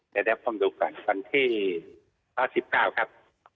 เดี๋ยวผมดูก่อนวันที่๑๙ครับ